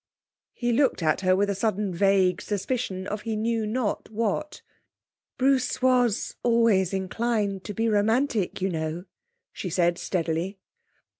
He looked at her with a sudden vague suspicion of he knew not what. 'Bruce was always inclined to be romantic, you know,' she said steadily.